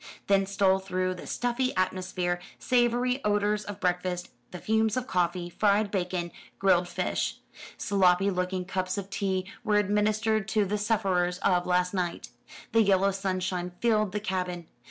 Then stole through the stuffy atmosphere savoury odours of breakfast, the fumes of coffee, fried bacon, grilled fish. Sloppy looking cups of tea were administered to the sufferers of last night. The yellow sunshine filled the cabin.